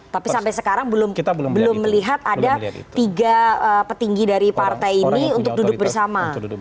tapi sampai sekarang belum melihat ada tiga petinggi dari partai ini untuk duduk bersama